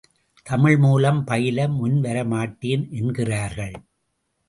தமிழ் மூலம் பயில முன்வரமாட்டேன் என்கிறார்கள்.